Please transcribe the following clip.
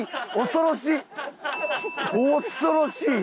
恐ろしい！